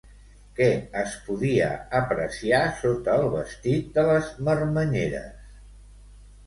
Què es podia apreciar sota el vestit de les marmanyeres?